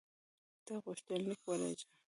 ته غوښتنلیک ولېږه.